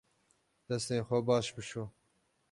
Destên xwe baş bişo.